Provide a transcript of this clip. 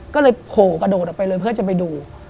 ก็เลยโผล่กระโดดออกไปเลยเพื่อจะไปดู